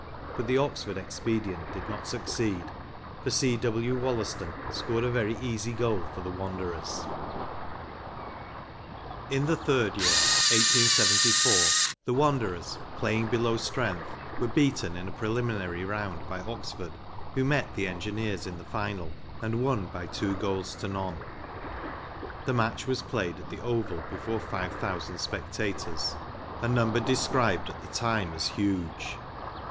But the Oxford expedient did not succeed, for C. W. Wollaston scored a very easy goaf for the Wanderers. UNIVERSITY OF MICHIGAN 45 6 THE STRAND MAGAZINE. In the third year, 1874, the Wanderers, playing below strength, were beaten in a preliminary round by Oxford, who met the Engineers in the final and won by two goals to none. The match was played at the Oval before 5,000 spectators, a number described at the time as huge.